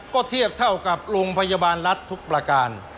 ก็เทียบเท่ากับโรงพยาบาลรัฐทุกประการ